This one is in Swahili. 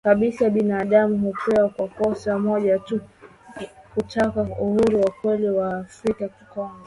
kabisa binaadamu kupewa kwa kosa moja tu kutaka uhuru wa kweli kwa Waafrika Kongo